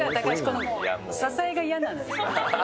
支えが嫌なのよ。